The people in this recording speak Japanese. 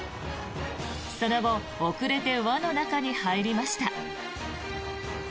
その後遅れて輪の中に入りました。